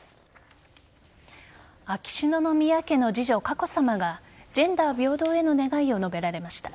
秋篠宮家の次女・佳子さまがジェンダー平等への願いを述べられました。